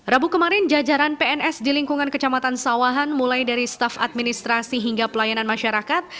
rabu kemarin jajaran pns di lingkungan kecamatan sawahan mulai dari staf administrasi hingga pelayanan masyarakat